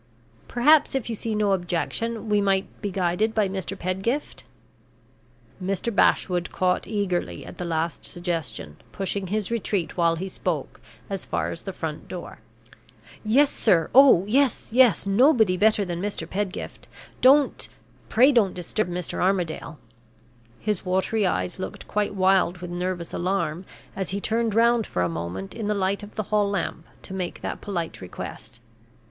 Perhaps, if you see no objection, we might be guided by Mr. Pedgift?" Mr. Bashwood caught eagerly at the last suggestion, pushing his retreat, while he spoke, as far as the front door. "Yes, sir oh, yes, yes! nobody better than Mr. Pedgift. Don't pray don't disturb Mr. Armadale!" His watery eyes looked quite wild with nervous alarm as he turned round for a moment in the light of the hall lamp to make that polite request.